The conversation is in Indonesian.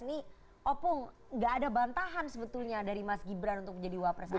ini opung nggak ada bantahan sebetulnya dari mas gibran untuk menjadi wapres